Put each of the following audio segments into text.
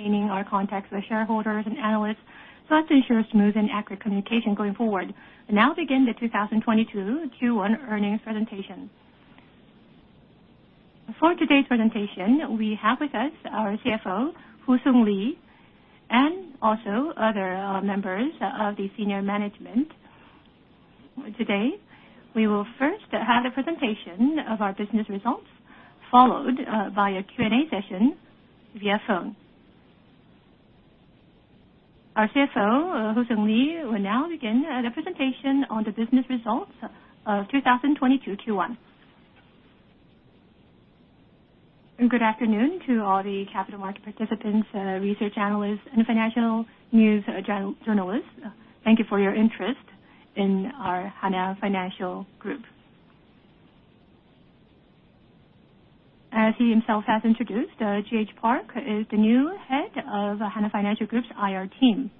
Our contacts with shareholders and analysts so as to ensure smooth and accurate communication going forward. We now begin the 2022 Q1 earnings presentation. For today's presentation, we have with us our CFO, Hoo-seung Lee, and also other members of the senior management. Today, we will first have the presentation of our business results, followed by a Q&A session via phone. Our CFO, Hoo-seung Lee, will now begin the presentation on the business results of 2022 Q1. Good afternoon to all the capital market participants, research analysts, and financial news journalists. Thank you for your interest in our Hana Financial Group. As he himself has introduced, G.H. Park is the new head of Hana Financial Group's IR team.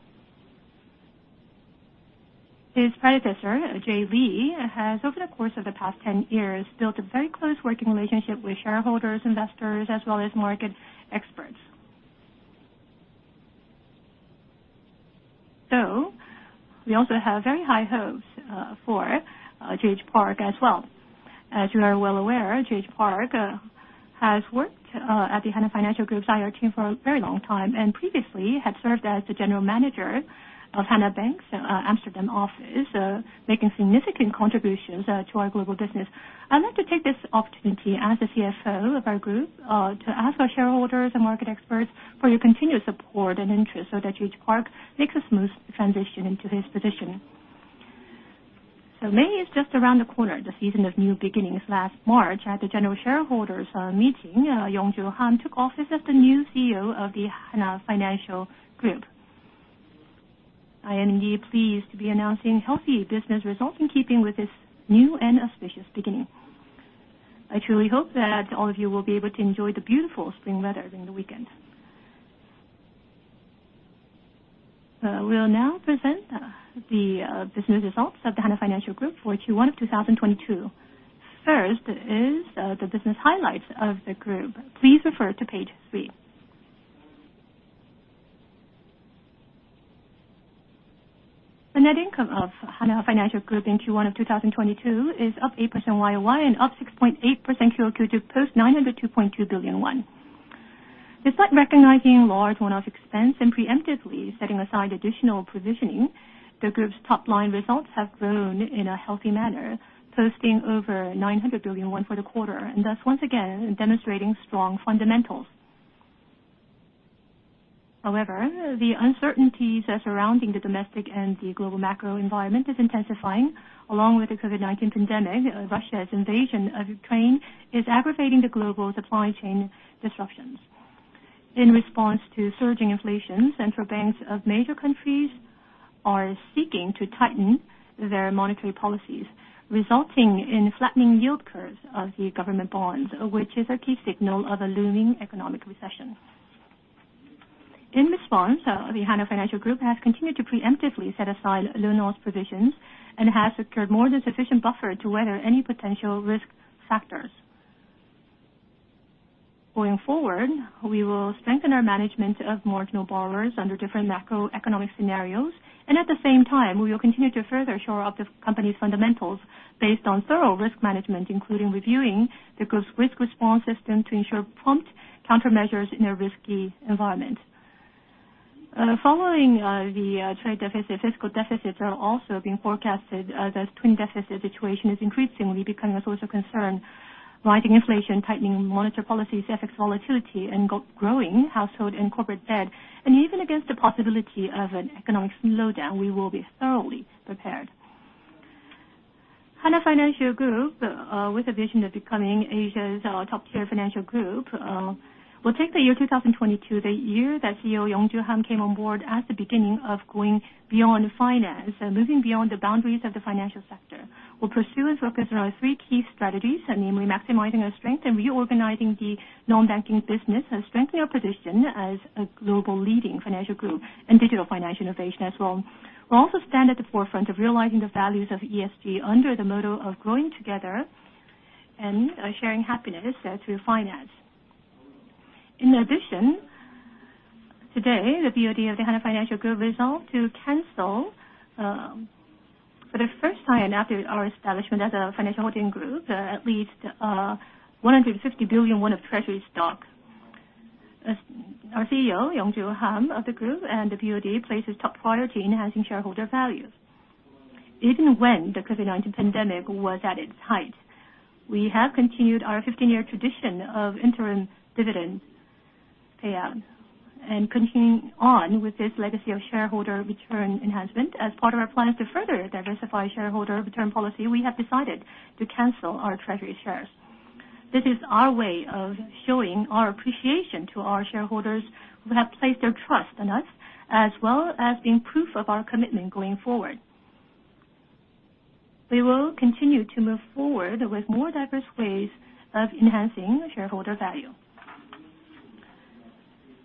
His predecessor, Jay Lee, has over the course of the past 10 years, built a very close working relationship with shareholders, investors, as well as market experts. We also have very high hopes for G.H. Park as well. As you are well aware, G.H. Park has worked at the Hana Financial Group's IR team for a very long time, and previously had served as the General Manager of Hana Bank's Amsterdam office, making significant contributions to our global business. I'd like to take this opportunity as the CFO of our Group to ask our shareholders and market experts for your continued support and interest so that G.H. Park makes a smooth transition into his position. May is just around the corner, the season of new beginnings. Last March, at the General Shareholders Meeting, Young-joo Ham took office as the new CEO of the Hana Financial Group. I am indeed pleased to be announcing healthy business results in keeping with this new and auspicious beginning. I truly hope that all of you will be able to enjoy the beautiful spring weather during the weekend. We'll now present the business results of the Hana Financial Group for Q1 of 2022. First is the business highlights of the Group. Please refer to page three. The net income of Hana Financial Group in Q1 of 2022 is up 8% YoY and up 6.8% QoQ to post 902.2 billion won. Despite recognizing large one-off expense and preemptively setting aside additional positioning, the Group's top-line results have grown in a healthy manner, posting over 900 billion won for the quarter, and thus once again demonstrating strong fundamentals. However, the uncertainties surrounding the domestic and the global macro environment is intensifying along with the COVID-19 pandemic. Russia's invasion of Ukraine is aggravating the global supply chain disruptions. In response to surging inflation, central banks of major countries are seeking to tighten their monetary policies, resulting in flattening yield curves of the government bonds, which is a key signal of a looming economic recession. In response, the Hana Financial Group has continued to preemptively set aside loan loss provisions and has secured more than sufficient buffer to weather any potential risk factors. Going forward, we will strengthen our management of marginal borrowers under different macroeconomic scenarios, and at the same time, we will continue to further shore up the company's fundamentals based on thorough risk management, including reviewing the Group's risk response system to ensure prompt countermeasures in a risky environment. Following the trade deficit, fiscal deficits are also being forecasted as twin deficit situation is increasingly becoming a source of concern, rising inflation, tightening monetary policies, FX volatility, and growing household and corporate debt. Even against the possibility of an economic slowdown, we will be thoroughly prepared. Hana Financial Group, with a vision of becoming Asia's top-tier financial Group, will take the year 2022, the year that CEO Young-joo Ham came on board, as the beginning of going beyond finance and moving beyond the boundaries of the financial sector. We'll pursue and focus on our three key strategies, namely maximizing our strength and reorganizing the non-banking business and strengthen our position as a global leading financial Group in digital financial innovation as well. We'll also stand at the forefront of realizing the values of ESG under the motto of growing together and sharing happiness through finance. In addition, today, the BoD of the Hana Financial Group resolved to cancel, for the first time after our establishment as a financial holding Group, at least, 150 billion won of treasury stock. As our CEO, Young-joo Ham of the Group and the BoD places top priority enhancing shareholder value. Even when the COVID-19 pandemic was at its height, we have continued our 15-year tradition of interim dividend payout and continuing on with this legacy of shareholder return enhancement. As part of our plans to further diversify shareholder return policy, we have decided to cancel our treasury shares. This is our way of showing our appreciation to our shareholders who have placed their trust in us, as well as being proof of our commitment going forward. We will continue to move forward with more diverse ways of enhancing shareholder value.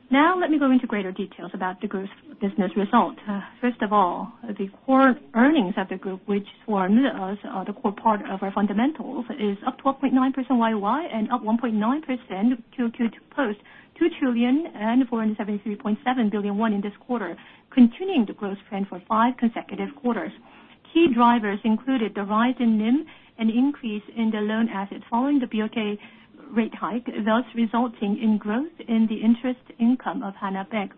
Now let me go into greater details about the Group's business result. First of all, the core earnings of the Group, which form the core part of our fundamentals, is up 12.9% YoY and up 1.9% QoQ to post 2,473.7 billion won in this quarter, continuing the growth trend for five consecutive quarters. Key drivers included the rise in NIM and increase in the loan asset following the BOK rate hike, thus resulting in growth in the interest income of Hana Bank.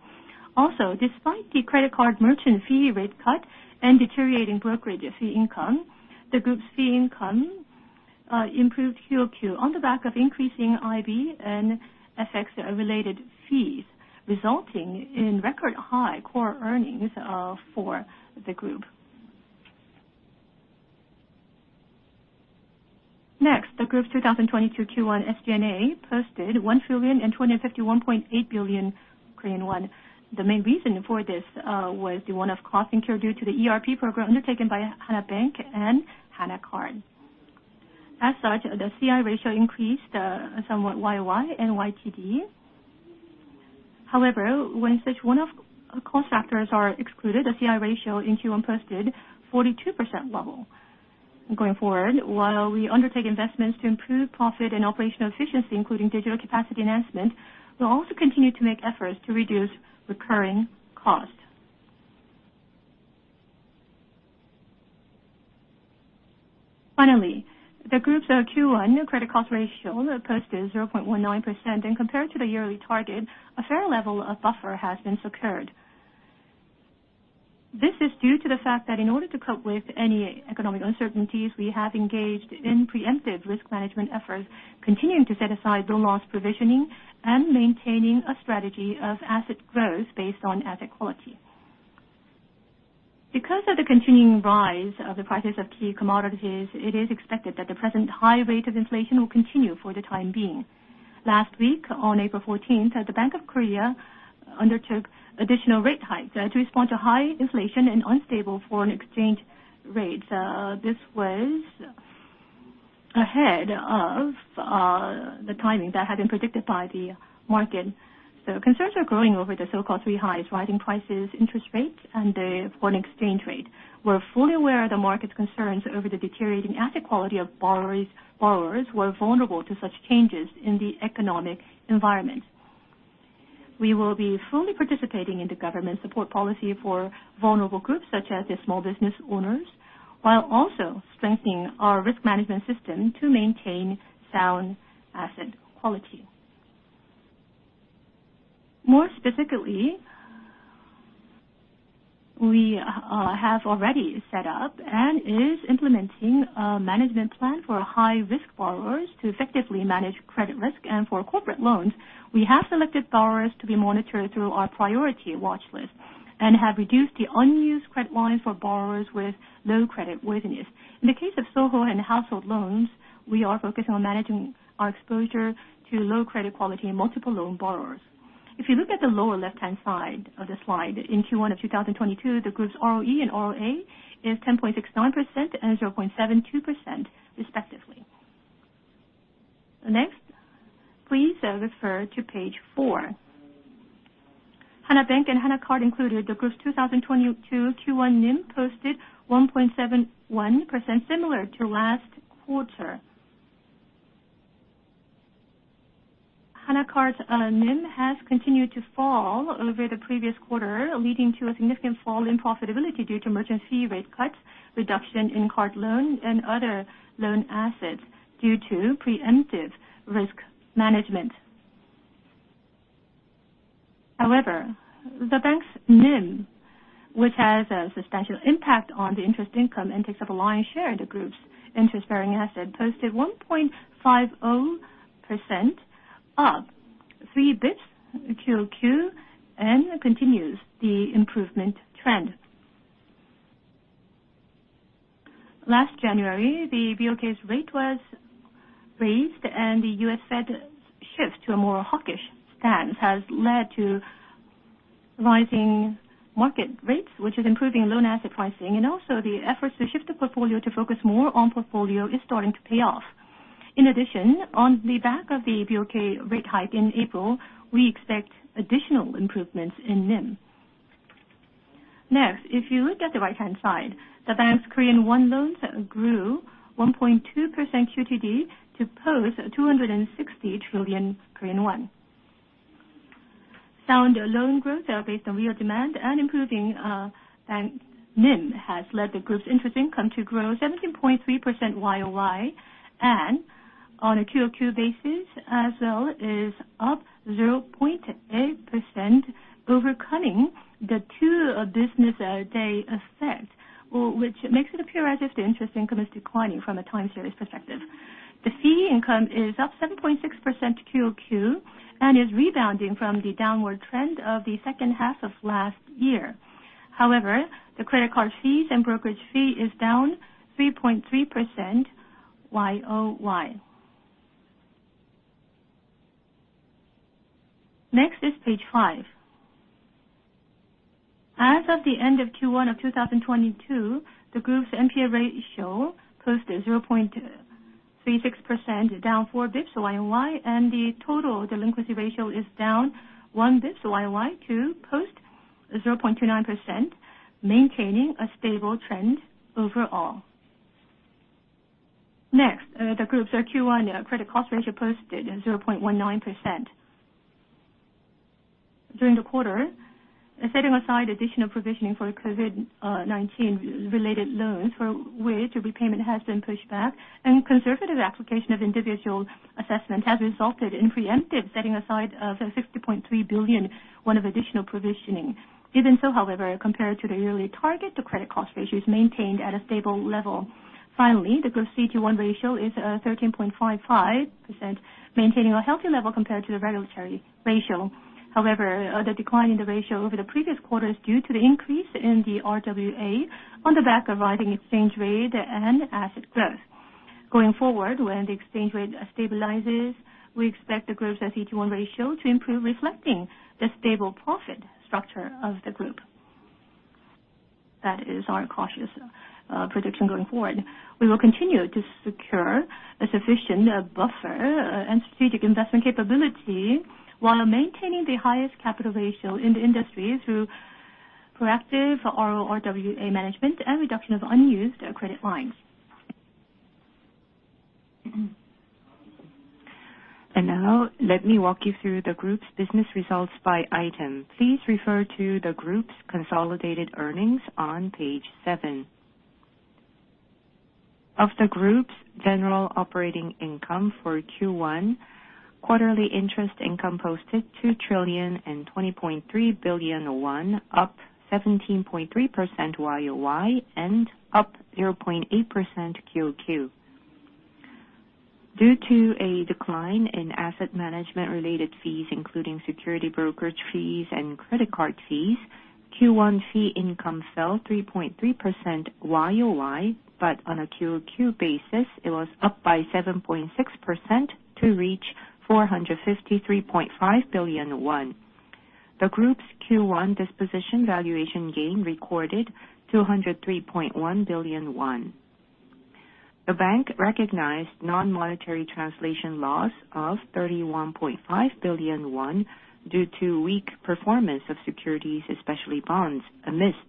Also, despite the credit card merchant fee rate cut and deteriorating brokerage fee income, the Group's fee income improved QoQ on the back of increasing IB and FX-related fees, resulting in record high core earnings for the Group. Next, the Group's 2022 Q1 SG&A posted 1,251.8 billion Korean won. The main reason for this was the one-off cost incurred due to the ERP program undertaken by Hana Bank and Hana Card. As such, the C/I ratio increased somewhat YoY and YTD. However, when such one-off cost factors are excluded, the C/I ratio in Q1 posted 42% level. Going forward, while we undertake investments to improve profit and operational efficiency, including digital capacity enhancement, we'll also continue to make efforts to reduce recurring costs. Finally, the Group's Q1 new credit cost ratio posted 0.19%, and compared to the yearly target, a fair level of buffer has been secured. This is due to the fact that in order to cope with any economic uncertainties, we have engaged in preemptive risk management efforts, continuing to set aside loan loss provisioning and maintaining a strategy of asset growth based on asset quality. Because of the continuing rise of the prices of key commodities, it is expected that the present high rate of inflation will continue for the time being. Last week, on April 14th, the Bank of Korea undertook additional rate hikes to respond to high inflation and unstable foreign exchange rates. This was ahead of the timing that had been predicted by the market. Concerns are growing over the so-called three highs, rising prices, interest rates, and the foreign exchange rate. We're fully aware of the market's concerns over the deteriorating asset quality of borrowers who are vulnerable to such changes in the economic environment. We will be fully participating in the government support policy for vulnerable Groups, such as the small business owners, while also strengthening our risk management system to maintain sound asset quality. More specifically, we have already set up and is implementing a management plan for high-risk borrowers to effectively manage credit risk. For corporate loans, we have selected borrowers to be monitored through our priority watchlist and have reduced the unused credit line for borrowers with low credit worthiness. In the case of SOHO and household loans, we are focused on managing our exposure to low credit quality and multiple loan borrowers. If you look at the lower left-hand side of the slide, in Q1 of 2022, the Group's ROE and ROA is 10.69% and 0.72% respectively. Next, please, refer to page four. Hana Bank and Hana Card included, the Group's 2022 Q1 NIM posted 1.71%, similar to last quarter. Hana Card's NIM has continued to fall over the previous quarter, leading to a significant fall in profitability due to merchant fee rate cuts, reduction in card loan, and other loan assets due to preemptive risk management. However, the bank's NIM, which has a substantial impact on the interest income and takes up a lion's share of the Group's interest-bearing asset, posted 1.50%, up 3 basis points QoQ, and continues the improvement trend. Last January, the BOK's rate was raised, and the U.S. Fed shift to a more hawkish stance has led to rising market rates, which is improving loan asset pricing. Also the efforts to shift the portfolio to focus more on portfolio is starting to pay off. In addition, on the back of the BOK rate hike in April, we expect additional improvements in NIM. Next, if you look at the right-hand side, the bank's Korean won loans grew 1.2% QoQ to post KRW 260 trillion. Sound loan growth, based on real demand and improving bank NIM, has led the Group's interest income to grow 17.3% YoY, and on a QoQ basis as well is up 0.8%, overcoming the two business day effect, which makes it appear as if the interest income is declining from a time series perspective. The fee income is up 7.6% QoQ and is rebounding from the downward trend of the second half of last year. However, the credit card fees and brokerage fee is down 3.3% YoY. Next is page five. As of the end of Q1 of 2022, the Group's NPL ratio posted 0.36%, down 4 basis points YoY, and the total delinquency ratio is down 1 basis point YoY to post 0.29%, maintaining a stable trend overall. Next, the Group's Q1 credit cost ratio posted 0.19%. During the quarter, setting aside additional provisioning for COVID-19-related loans for which repayment has been pushed back and conservative application of individual assessment has resulted in preemptive setting aside of 60.3 billion of additional provisioning. Even so, however, compared to the yearly target, the credit cost ratio is maintained at a stable level. Finally, the Group CET1 ratio is 13.55%, maintaining a healthy level compared to the regulatory ratio. However, the decline in the ratio over the previous quarter is due to the increase in the RWA on the back of rising exchange rate and asset growth. Going forward, when the exchange rate stabilizes, we expect the Group's CET1 ratio to improve, reflecting the stable profit structure of the Group. That is our cautious prediction going forward. We will continue to secure a sufficient buffer and strategic investment capability while maintaining the highest capital ratio in the industry through proactive RO-RWA management and reduction of unused credit lines. Now let me walk you through the Group's business results by item. Please refer to the Group's consolidated earnings on page seven. Of the Group's general operating income for Q1, quarterly interest income posted 2,020.3 billion won, up 17.3% YoY and up 0.8% QoQ. Due to a decline in asset management-related fees, including security brokerage fees and credit card fees, Q1 fee income fell 3.3% YoY. On a QoQ basis, it was up by 7.6% to reach 453.5 billion won. The Group's Q1 disposition valuation gain recorded 203.1 billion won. The bank recognized non-monetary translation loss of 31.5 billion won due to weak performance of securities, especially bonds, amidst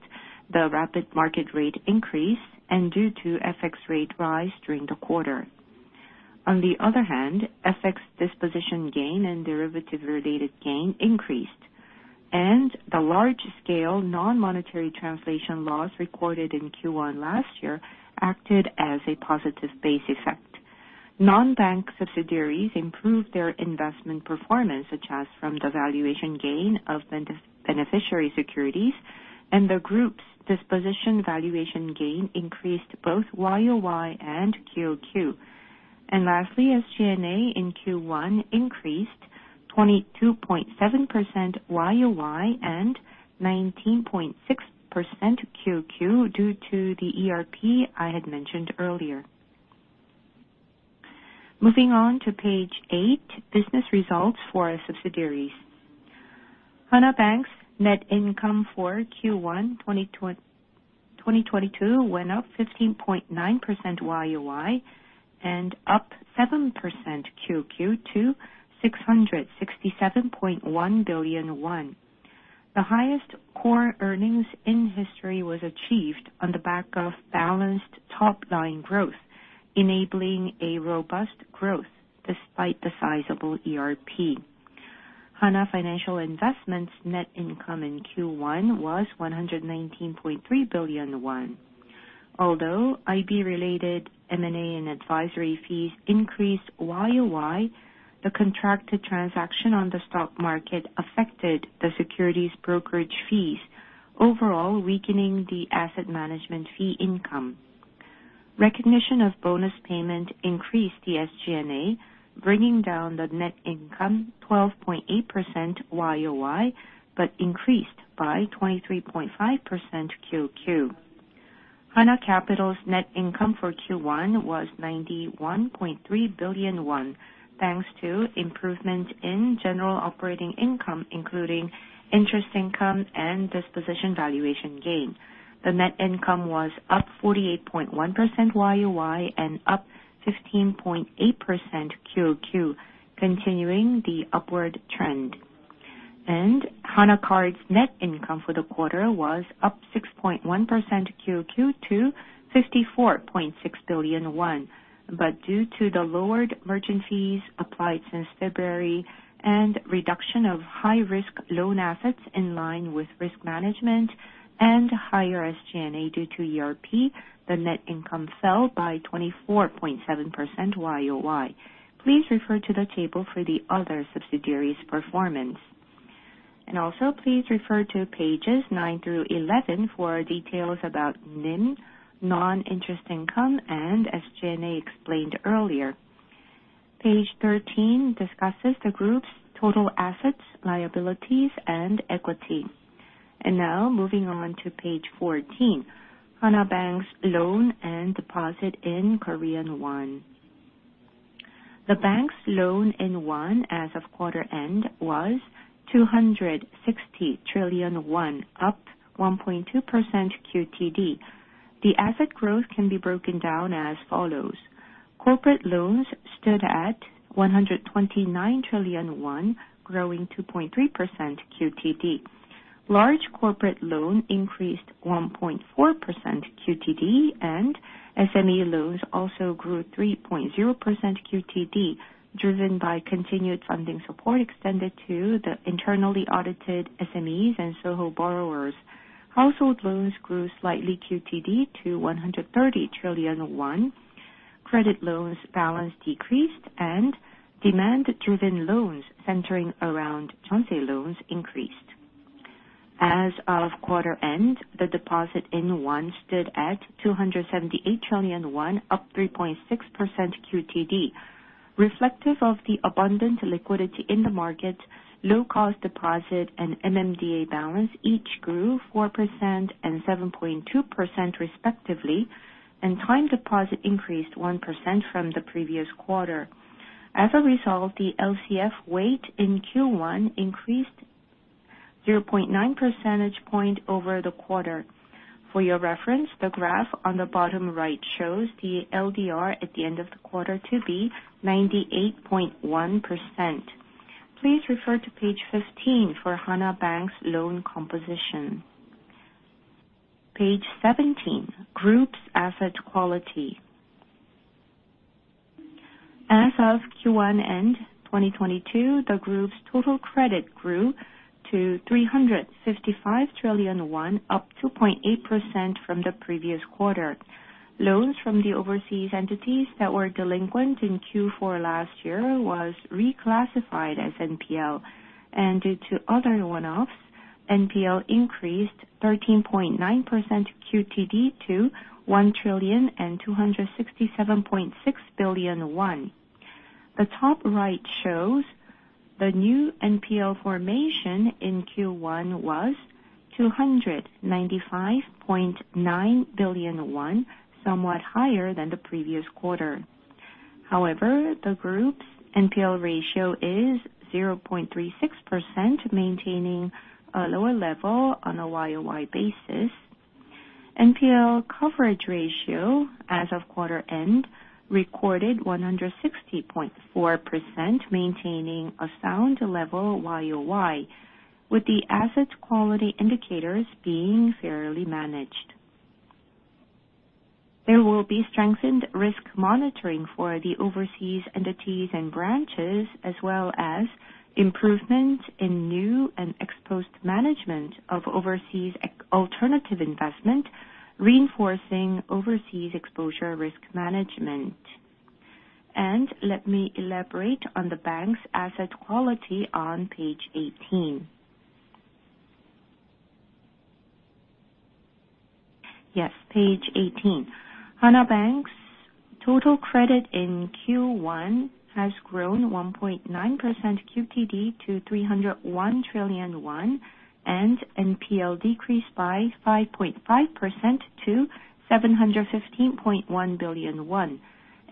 the rapid market rate increase and due to FX rate rise during the quarter. On the other hand, FX disposition gain and derivative-related gain increased, and the large-scale non-monetary translation loss recorded in Q1 last year acted as a positive base effect. Non-bank subsidiaries improved their investment performance, such as from the valuation gain of beneficiary securities, and the Group's disposition valuation gain increased both YoY and QoQ. Lastly, SG&A in Q1 increased 22.7% YoY and 19.6% QoQ due to the ERP I had mentioned earlier. Moving on to page eight, business results for our subsidiaries. Hana Bank's net income for Q1 2022 went up 15.9% YoY and up 7% QoQ to 667.1 billion won. The highest core earnings in history was achieved on the back of balanced top-line growth, enabling a robust growth despite the sizable ERP. Hana Financial Investment's net income in Q1 was 119.3 billion won. Although IB-related M&A and advisory fees increased YoY, the contracted transaction on the stock market affected the securities brokerage fees, overall weakening the asset management fee income. Recognition of bonus payment increased the SG&A, bringing down the net income 12.8% YoY, but increased by 23.5% QoQ. Hana Capital's net income for Q1 was 91.3 billion won, thanks to improvement in general operating income, including interest income and disposition valuation gain. The net income was up 48.1% YoY and up 15.8% QoQ, continuing the upward trend. Hana Card's net income for the quarter was up 6.1% QoQ to 54.6 billion won. Due to the lowered merchant fees applied since February and reduction of high-risk loan assets in line with risk management and higher SG&A due to ERP, the net income fell by 24.7% YoY. Please refer to the table for the other subsidiaries' performance. Also please refer to pages nine through 11 for details about NIM, non-interest income, and SG&A explained earlier. Page 13 discusses the Group's total assets, liabilities, and equity. Now moving on to page 14, Hana Bank's loan and deposit in Korean won. The bank's loan in won as of quarter end was 260 trillion won, up 1.2% QoQ. The asset growth can be broken down as follows. Corporate loans stood at 129 trillion won, growing 2.3% QoQ. Large corporate loan increased 1.4% QoQ, and SME loans also grew 3.0% QoQ, driven by continued funding support extended to the internally audited SMEs and SOHO borrowers. Household loans grew slightly QoQ to 130 trillion won. Credit loans balance decreased and demand-driven loans centering around Jeonse loans increased. As of quarter end, the deposit in won stood at 278 trillion won, up 3.6% QoQ. Reflective of the abundant liquidity in the market, low-cost deposit and MMDA balance each grew 4% and 7.2% respectively, and time deposit increased 1% from the previous quarter. As a result, the LCR weight in Q1 increased 0.9 percentage point over the quarter. For your reference, the graph on the bottom right shows the LDR at the end of the quarter to be 98.1%. Please refer to page 15 for Hana Bank's loan composition. Page 17, Group's asset quality. As of Q1 end 2022, the Group's total credit grew to 355 trillion won, up 2.8% from the previous quarter. Loans from the overseas entities that were delinquent in Q4 last year was reclassified as NPL. Due to other one-offs, NPL increased 13.9% QoQ to KRW 1,267.6 billion. The top right shows the new NPL formation in Q1 was 295.9 billion won, somewhat higher than the previous quarter. However, the Group's NPL ratio is 0.36%, maintaining a lower level on a YoY basis. NPL coverage ratio as of quarter end recorded 160.4%, maintaining a sound level YoY, with the asset quality indicators being fairly managed. There will be strengthened risk monitoring for the overseas entities and branches, as well as improvement in new and existing management of overseas alternative investment, reinforcing overseas exposure risk management. Let me elaborate on the bank's asset quality on page 18. Yes, page 18. Hana Bank's total credit in Q1 has grown 1.9% QoQ to 301 trillion won, and NPL decreased by 5.5% to 715.1 billion won.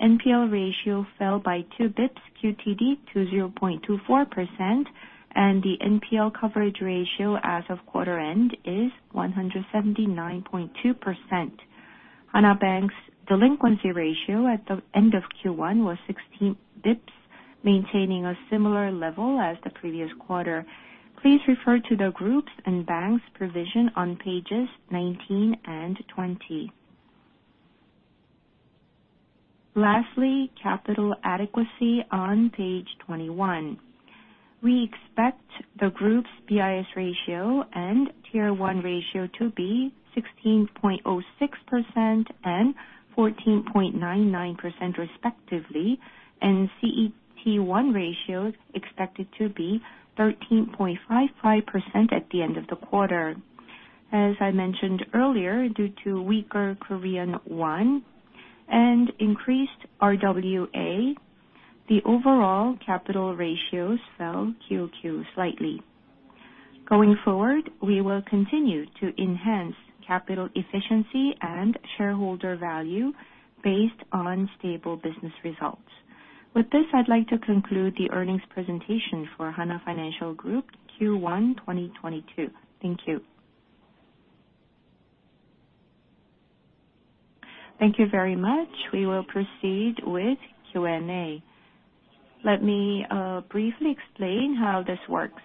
NPL ratio fell by two basis points QoQ to 0.24%, and the NPL coverage ratio as of quarter end is 179.2%. Hana Bank's delinquency ratio at the end of Q1 was 16 basis points, maintaining a similar level as the previous quarter. Please refer to the Group's and bank's provision on pages 19 and 20. Lastly, capital adequacy on page 21. We expect the Group's BIS ratio and Tier 1 ratio to be 16.06% and 14.99% respectively, and CET1 ratio is expected to be 13.55% at the end of the quarter. As I mentioned earlier, due to weaker Korean won and increased RWA, the overall capital ratio fell QoQ slightly. Going forward, we will continue to enhance capital efficiency and shareholder value based on stable business results. With this, I'd like to conclude the earnings presentation for Hana Financial Group Q1 2022. Thank you. Thank you very much. We will proceed with Q&A. Let me briefly explain how this works.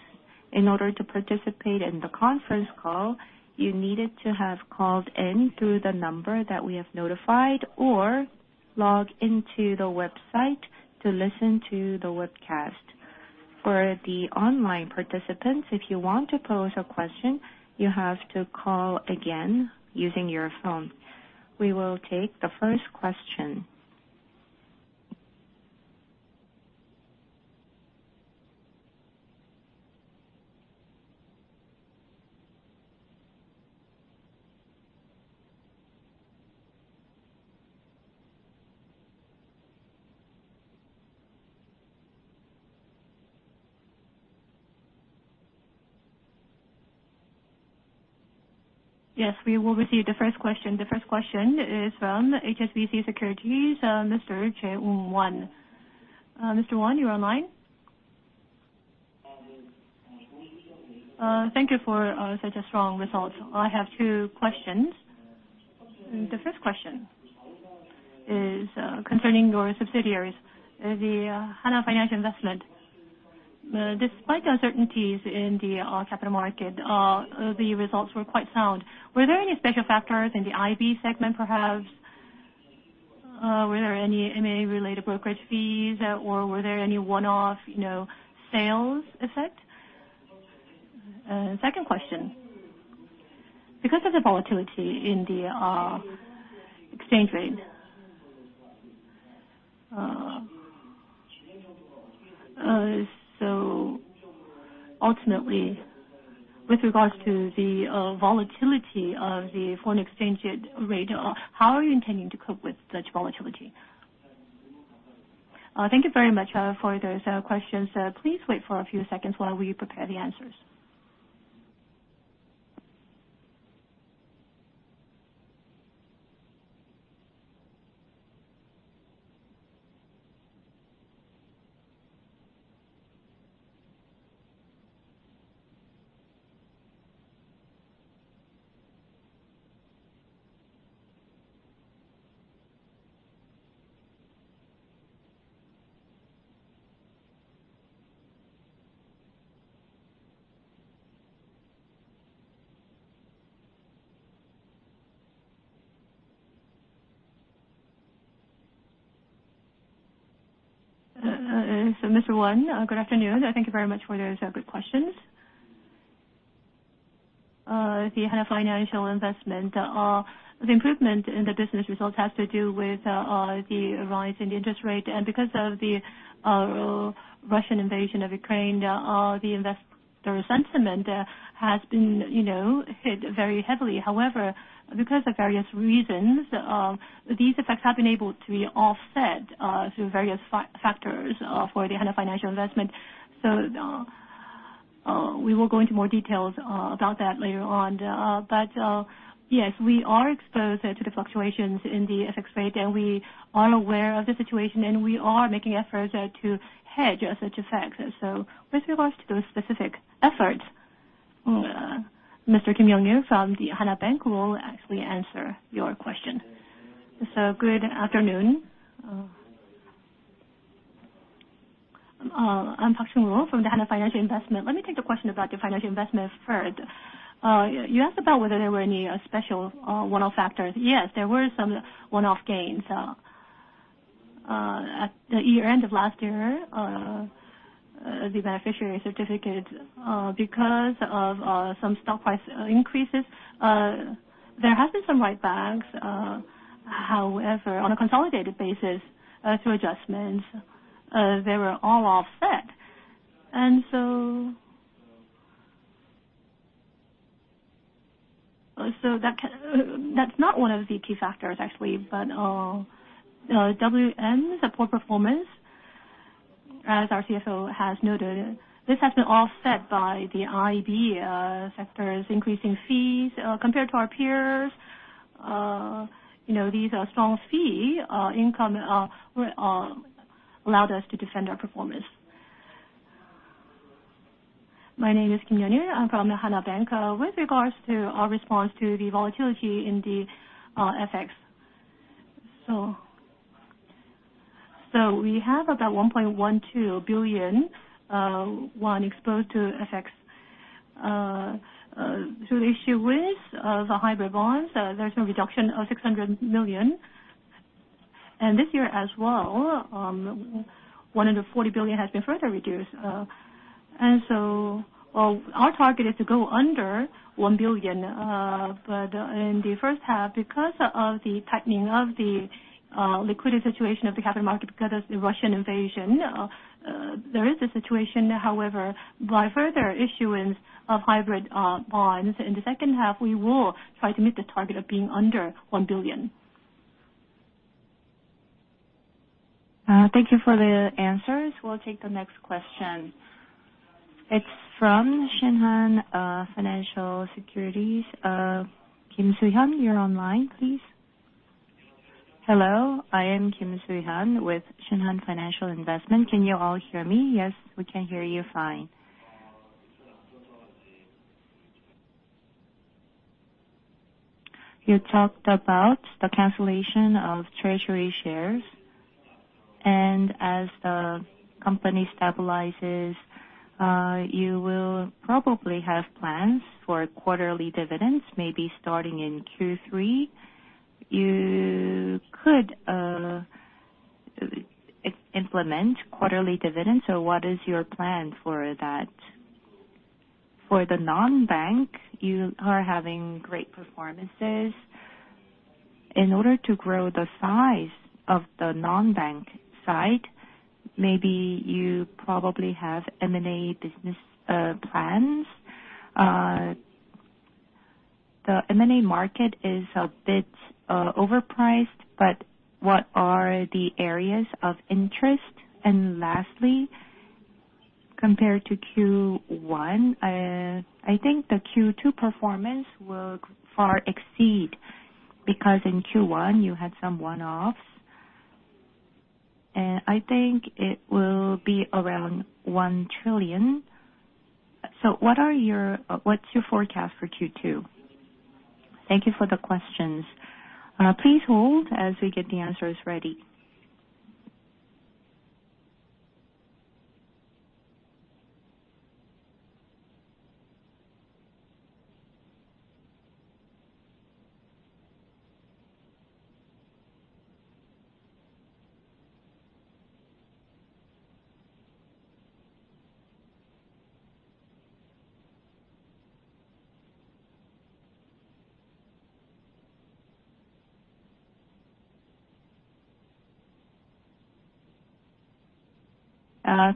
In order to participate in the conference call, you needed to have called in through the number that we have notified or log into the website to listen to the webcast. For the online participants, if you want to pose a question, you have to call again using your phone. We will take the first question. Yes, we will receive the first question. The first question is from HSBC Securities, Mr. Jae-woong Won. Mr. Won, you are online? Thank you for such a strong result. I have two questions. The first question. It's concerning your subsidiaries, the Hana Financial Investment. Despite the uncertainties in the capital market, the results were quite sound. Were there any special factors in the IB segment perhaps? Were there any M&A related brokerage fees or were there any one-off, you know, sales effect? Second question, because of the volatility in the exchange rate, so ultimately with regards to the volatility of the foreign exchange rate, how are you intending to cope with such volatility? Thank you very much for those questions. Please wait for a few seconds while we prepare the answers. Mr. Won, good afternoon. Thank you very much for those good questions. The Hana Financial Investment, the improvement in the business results has to do with the rise in the interest rate. Because of the Russian invasion of Ukraine, the investor sentiment has been, you know, hit very heavily. However, because of various reasons, these effects have been able to be offset through various factors for the Hana Financial Investment. We will go into more details about that later on. Yes, we are exposed to the fluctuations in the FX rate, and we are aware of the situation, and we are making efforts to hedge such effects. With regards to those specific efforts, Mr. Kim Young-ho from the Hana Bank will actually answer your question. Good afternoon. I'm Park Sung-ho from the Hana Financial Investment. Let me take the question about the financial investment first. You asked about whether there were any special one-off factors. Yes, there were some one-off gains. At the year-end of last year, the beneficiary certificate, because of some stock price increases, there have been some write-backs. However, on a consolidated basis, through adjustments, they were all offset. That's not one of the key factors, actually. WM's poor performance, as our CSO has noted, this has been offset by the IB sector's increasing fees. Compared to our peers, you know, these are strong fee income allowed us to defend our performance. My name is Kim Young-ho. I'm from the Hana Bank. With regards to our response to the volatility in the FX. We have about 1.12 billion exposed to FX. Through the issue with the hybrid bonds, there's a reduction of 600 million. This year as well, 140 billion has been further reduced. Our target is to go under 1 billion. In the first half because of the tightening of the liquidity situation of the capital market because of the Russian invasion, there is a situation. However, by further issuance of hybrid bonds in the second half we will try to meet the target of being under 1 billion. Thank you for the answers. We'll take the next question. It's from Shinhan Investment & Securities. Kim Soo-hyun, you're online, please. Hello, I am Kim Soo-hyun with Shinhan Investment & Securities. Can you all hear me? Yes, we can hear you fine. You talked about the cancellation of treasury shares. As the company stabilizes, you will probably have plans for quarterly dividends, maybe starting in Q3. You could implement quarterly dividends. What is your plan for that? For the non-bank, you are having great performances. In order to grow the size of the non-bank side, maybe you probably have M&A business plans. The M&A market is a bit overpriced, but what are the areas of interest? Lastly, compared to Q1, I think the Q2 performance will far exceed, because in Q1 you had some one-offs. I think it will be around 1 trillion. What's your forecast for Q2? Thank you for the questions. Please hold as we get the answers ready.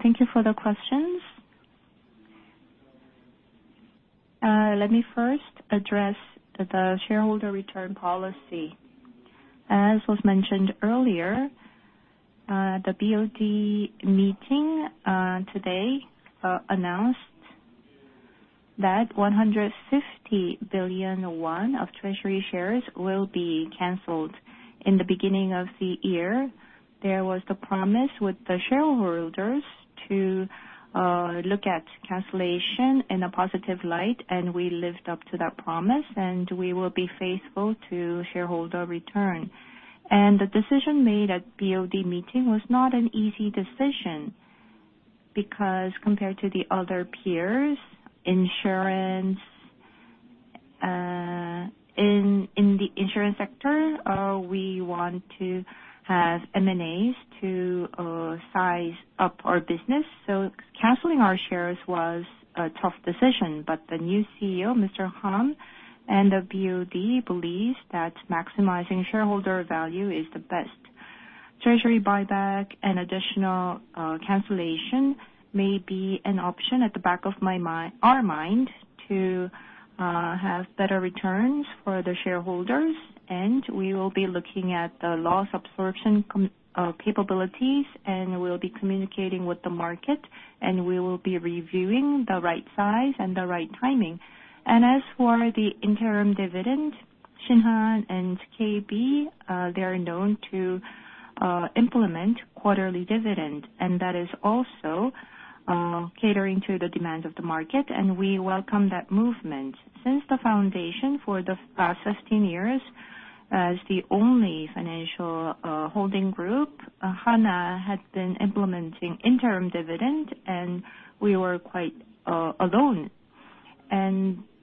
Thank you for the questions. Let me first address the shareholder return policy. As was mentioned earlier, the BoD meeting today announced that 150 billion won of treasury shares will be canceled. In the beginning of the year, there was the promise with the shareholders to look at cancellation in a positive light, and we lived up to that promise, and we will be faithful to shareholder return. The decision made at BoD meeting was not an easy decision because compared to the other peers in the insurance sector, we want to have M&As to size up our business. Canceling our shares was a tough decision. The new CEO, Mr. Ham, the BoD believes that maximizing shareholder value is the best. Treasury buyback and additional cancellation may be an option at the back of our mind to have better returns for the shareholders, and we will be looking at the loss absorption capabilities, and we'll be communicating with the market, and we will be reviewing the right size and the right timing. As for the interim dividend, Shinhan and KB they are known to implement quarterly dividend, and that is also catering to the demands of the market, and we welcome that movement. Since the foundation for the past 15 years, as the only financial holding Group, Hana has been implementing interim dividend, and we were quite alone.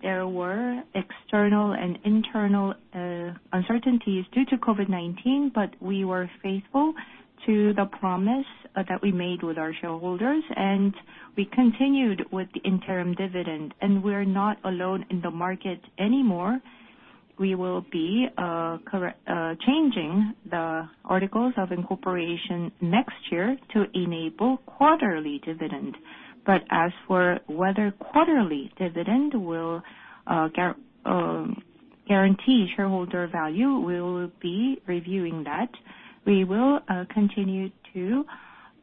There were external and internal uncertainties due to COVID-19, but we were faithful to the promise that we made with our shareholders, and we continued with the interim dividend. We're not alone in the market anymore. We will be changing the articles of incorporation next year to enable quarterly dividend. But as for whether quarterly dividend will guarantee shareholder value, we will be reviewing that. We will continue to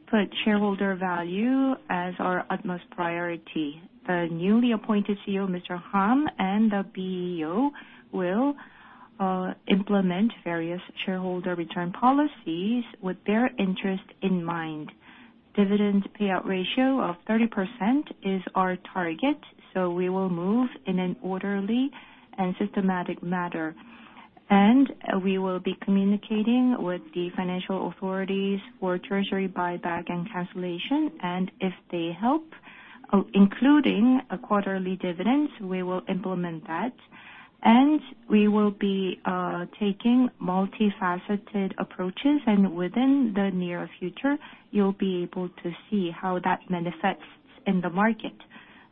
put shareholder value as our utmost priority. The newly appointed CEO, Mr. Ham, and the BoD will implement various shareholder return policies with their interest in mind. Dividend payout ratio of 30% is our target, so we will move in an orderly and systematic manner. We will be communicating with the financial authorities for treasury buyback and cancellation. If they help, including quarterly dividends, we will implement that. We will be taking multifaceted approaches, and within the near future, you'll be able to see how that manifests in the market.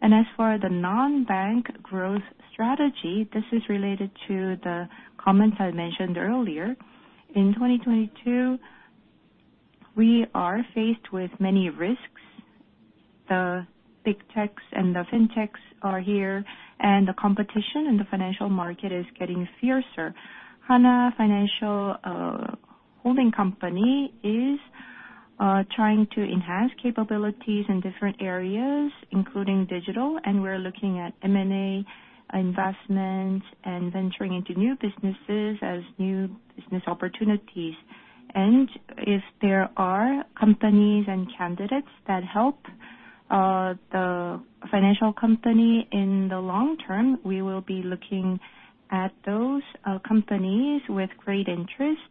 As for the non-bank growth strategy, this is related to the comments I mentioned earlier. In 2022, we are faced with many risks. The big techs and the fintechs are here, and the competition in the financial market is getting fiercer. Hana Financial Group is trying to enhance capabilities in different areas, including digital, and we're looking at M&A investments and venturing into new businesses as new business opportunities. If there are companies and candidates that help the financial company in the long term, we will be looking at those companies with great interest.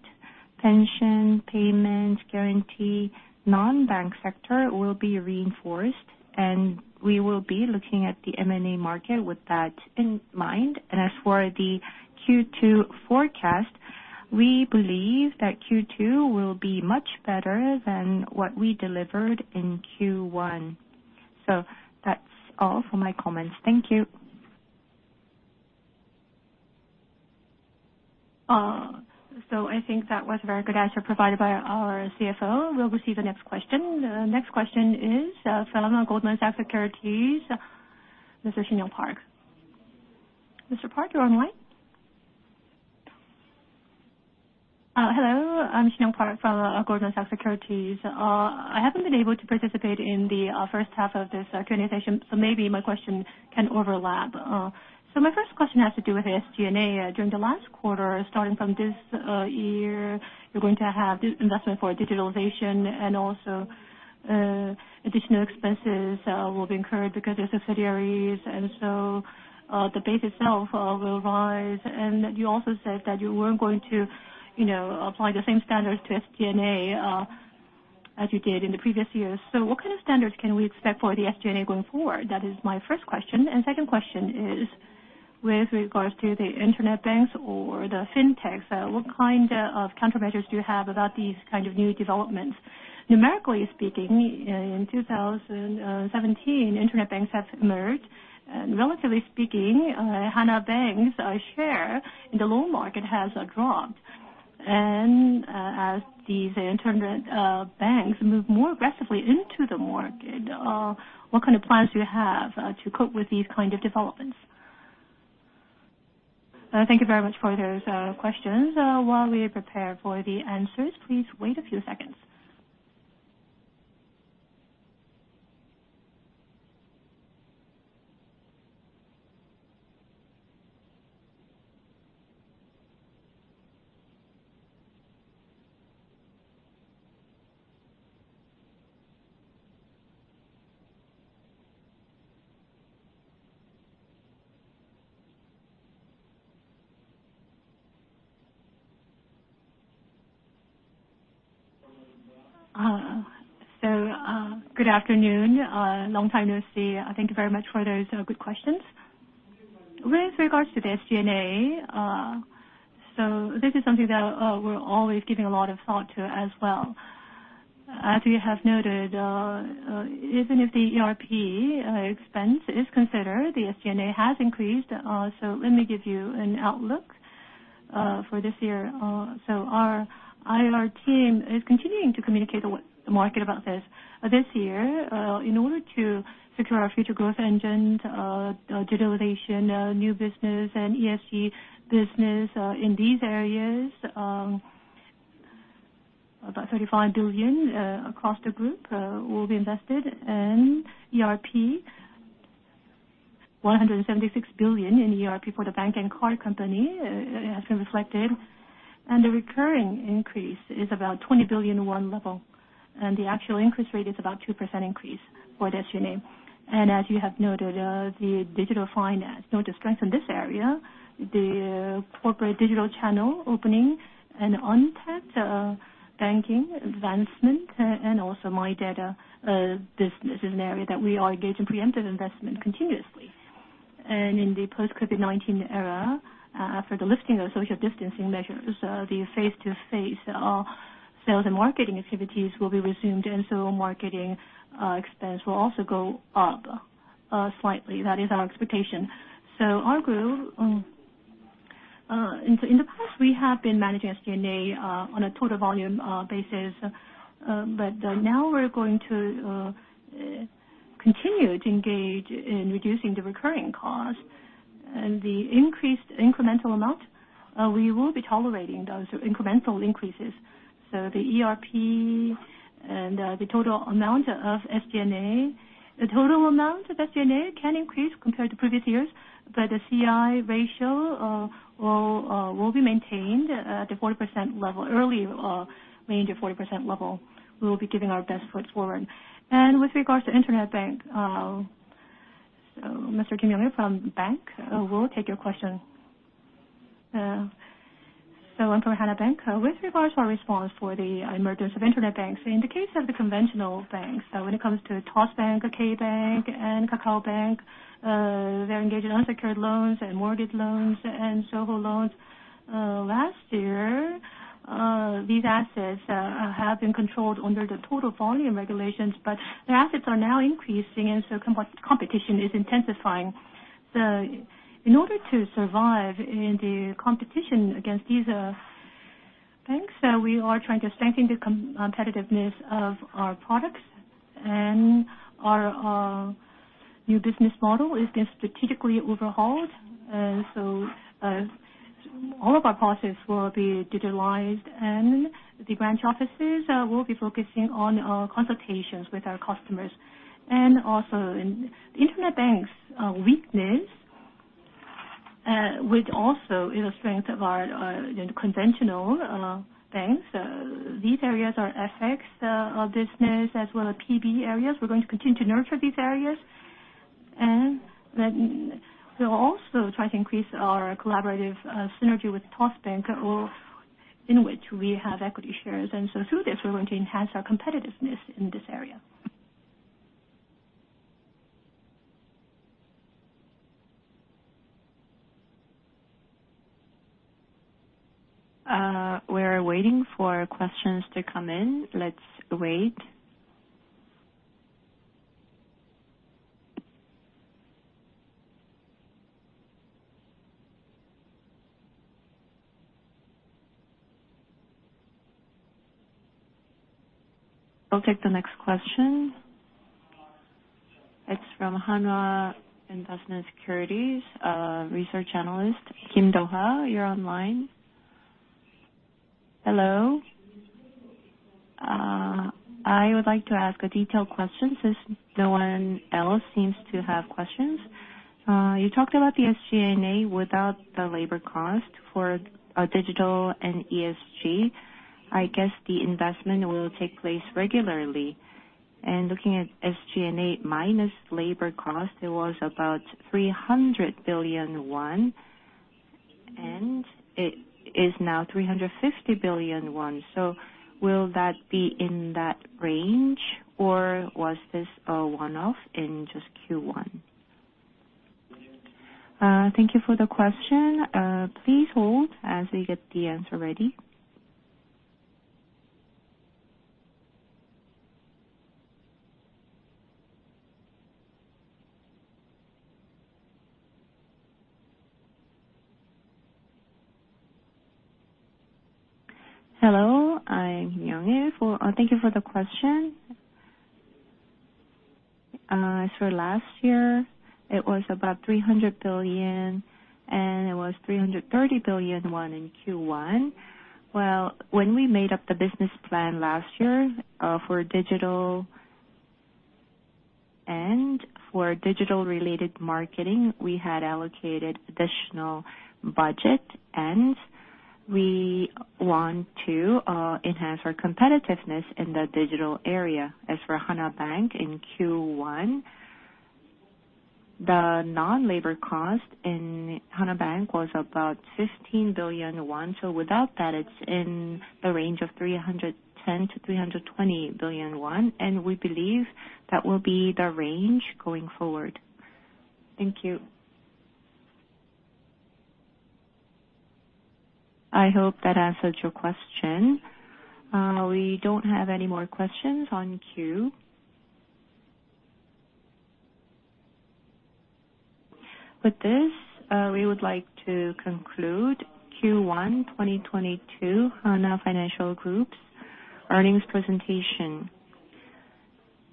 Pension, payments, guarantee, non-bank sector will be reinforced, and we will be looking at the M&A market with that in mind. As for the Q2 forecast, we believe that Q2 will be much better than what we delivered in Q1. That's all for my comments. Thank you. I think that was a very good answer provided by our CFO. We'll receive the next question. The next question is from Goldman Sachs, Mr. Sinyoung Park. Mr. Park, you're online. Hello. I'm Sinyoung Park from Goldman Sachs Securities. I haven't been able to participate in the first half of this Q&A session, so maybe my question can overlap. My first question has to do with SG&A. During the last quarter, starting from this year, you're going to have this investment for digitalization and also additional expenses will be incurred because there's subsidiaries, and so the base itself will rise. You also said that you weren't going to, you know, apply the same standards to SG&A as you did in the previous years. What kind of standards can we expect for the SG&A going forward? That is my first question. Second question is with regards to the internet banks or the fintechs. What kind of countermeasures do you have about these kind of new developments? Numerically speaking, in 2017, internet banks have emerged. Relatively speaking, Hana Bank's share in the loan market has dropped. As these internet banks move more aggressively into the market, what kind of plans do you have to cope with these kind of developments? Thank you very much for those questions. While we prepare for the answers, please wait a few seconds. Good afternoon. Long time no see. Thank you very much for those good questions. With regards to the SG&A, this is something that we're always giving a lot of thought to as well. As you have noted, even if the ERP expense is considered, the SG&A has increased. Let me give you an outlook for this year. Our IR team is continuing to communicate with the market about this. This year, in order to secure our future growth engines, digitalization, new business and ESG business, in these areas, about 35 billion across the Group will be invested in ERP. 176 billion in ERP for the bank and card company, as reflected. The recurring increase is about 20 billion level, and the actual increase rate is about 2% increase for the SG&A. As you have noted, the digital finance. In order to strengthen this area, the corporate digital channel opening and untapped banking advancement and also my data business is an area that we are engaged in preemptive investment continuously. In the post-COVID-19 era, for the lifting of social distancing measures, the face-to-face sales and marketing activities will be resumed, and so marketing expense will also go up slightly. That is our expectation. Our Group, in the past we have been managing SG&A on a total volume basis. But now we're going to continue to engage in reducing the recurring costs. The increased incremental amount, we will be tolerating those incremental increases. The ERP and the total amount of SG&A can increase compared to previous years, but the C/I ratio will be maintained at the 40% level in the early range of 40% level. We will be putting our best foot forward. With regards to internet bank, so Mr. Kim Young-ho from Hana Bank will take your question. I'm from Hana Bank. With regards to our response for the emergence of internet banks, in the case of the conventional banks, so when it comes to Toss Bank, K Bank and KakaoBank, they're engaged in unsecured loans and mortgage loans and several loans. Last year, these assets have been controlled under the total volume regulations, but their assets are now increasing, and so competition is intensifying. In order to survive in the competition against these banks, we are trying to strengthen the competitiveness of our products. Our new business model is being strategically overhauled. All of our process will be digitalized, and the branch offices will be focusing on consultations with our customers. Also in internet banks weakness, which also is a strength of our conventional banks. These areas are FX business as well as PB areas. We're going to continue to nurture these areas. Then we'll also try to increase our collaborative synergy with Toss Bank, in which we have equity shares. Through this, we're going to enhance our competitiveness in this area. We are waiting for questions to come in. Let's wait. I'll take the next question. It's from Hanwha Investment & Securities, research analyst Kim Do-ha. You're online. Hello. I would like to ask a detailed question since no one else seems to have questions. You talked about the SG&A without the labor cost for digital and ESG. I guess the investment will take place regularly. Looking at SG&A minus labor cost, it was about 300 billion won, and it is now 350 billion won. Will that be in that range, or was this a one-off in just Q1? Thank you for the question. Please hold as we get the answer ready. Hello, I'm [Young-yu]. Thank you for the question. Last year it was about 300 billion, and it was 330 billion in Q1. When we made up the business plan last year, for digital and for digital-related marketing, we had allocated additional budget, and we want to enhance our competitiveness in the digital area. As for Hana Bank in Q1, the non-labor cost in Hana Bank was about 15 billion won. Without that, it's in the range of 310 billion-320 billion won, and we believe that will be the range going forward. Thank you. I hope that answers your question. We don't have any more questions in queue. With this, we would like to conclude Q1 2022 Hana Financial Group's earnings presentation.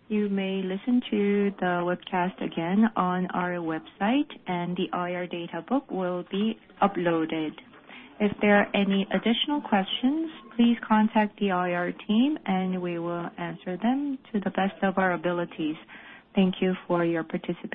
You may listen to the webcast again on our website, and the IR data book will be uploaded. If there are any additional questions, please contact the IR team and we will answer them to the best of our abilities. Thank you for your participation.